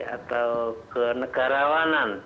atau ke negara